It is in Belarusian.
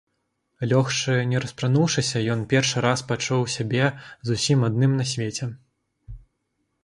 Лёгшы не распрануўшыся, ён першы раз пачуў сябе зусім адным на свеце.